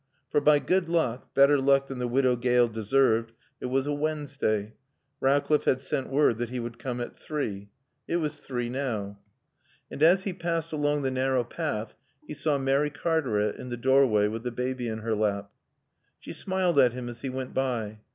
For by good luck better luck than the Widow Gale deserved it was a Wednesday. Rowcliffe had sent word that he would come at three. It was three now. And as he passed along the narrow path he saw Mary Cartaret in the doorway with the baby in her lap. She smiled at him as he went by.